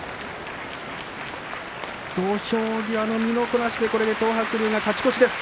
土俵際の身のこなしで東白龍が勝ち越しです。